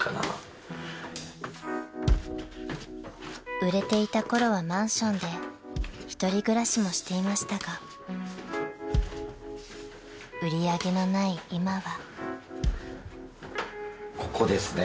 ［売れていた頃はマンションで１人暮らしもしていましたが売り上げのない今は］